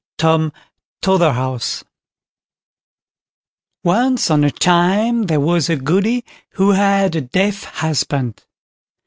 TOM TOTHERHOUSE Once on a time there was a Goody who had a deaf husband.